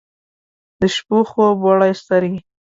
د شپو خوب وړي سترګې